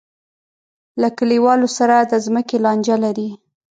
له کلیوالو سره د ځمکې لانجه لري.